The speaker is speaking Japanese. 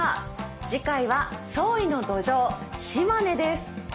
次回は「創意の土壌島根」です。